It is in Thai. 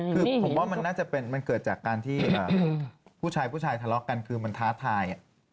คือผมว่ามันน่าจะเป็นมันเกิดจากการที่ผู้ชายผู้ชายทะเลาะกันคือมันท้าทาย